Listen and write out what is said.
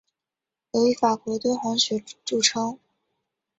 尤以法国敦煌学着称。